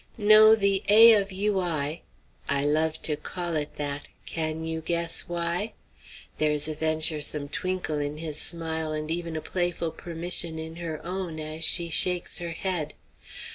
No, the 'A. of U. I.,' I love to call it that; can you guess why?" There is a venturesome twinkle in his smile, and even a playful permission in her own as she shakes her head.